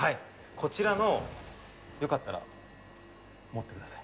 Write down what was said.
こちらのよかったら持ってください。